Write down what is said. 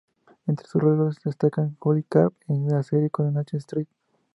Entre sus roles destaca Julie Carp en la serie "Coronation Street".